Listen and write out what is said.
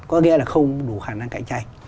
có nghĩa là không đủ khả năng cạnh tranh